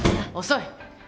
遅い！